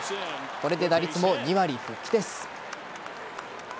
これで打率も２割復帰です。